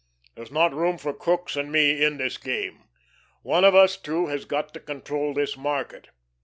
There's not room for Crookes and me in this game. One of us two has got to control this market.